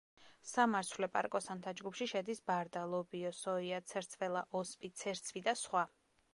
სამარცვლე პარკოსანთა ჯგუფში შედის ბარდა, ლობიო, სოია, ცერცველა, ოსპი, ცერცვი და სხვა.